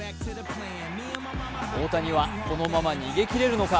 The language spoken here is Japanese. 大谷は、このまま逃げきれるのか。